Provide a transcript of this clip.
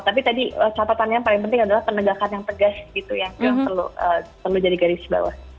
tapi tadi catatan yang paling penting adalah penegakan yang tegas gitu yang perlu jadi garis bawah